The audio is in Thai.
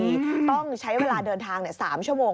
ต้องใช้เวลาเดินทาง๓ชั่วโมง